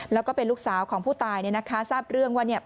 แล้วก็เป็นลูกสาวของผู้ตายเนี่ยนะคะทราบเรื่องว่าเนี่ย